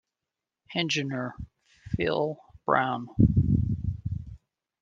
Engineer: Phill Brown.